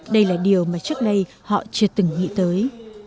đây là điều mà trước đây họ chưa từng nghĩ tới